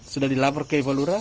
sudah dilapor ke pak lura